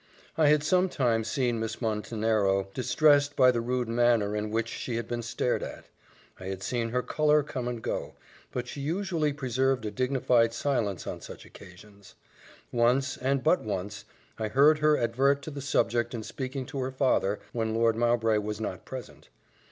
I had sometimes seen Miss Montenero distressed by the rude manner in which she had been stared at. I had seen her colour come and go, but she usually preserved a dignified silence on such occasions. Once, and but once, I heard her advert to the subject in speaking to her father, when Lord Mowbray was not present.